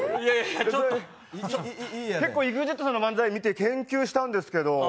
結構、ＥＸＩＴさんの漫才見て研究したんですけど。